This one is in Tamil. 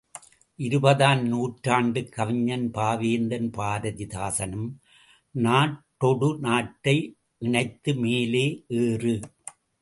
இருபதாம் நூற்றாண்டுக் கவிஞன் பாவேந்தன் பாரதி தாசனும், நாட்டொடு நாட்டை இணைத்து மேலே ஏறு!